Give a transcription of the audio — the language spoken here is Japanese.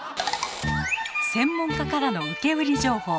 専門家からの受け売り情報。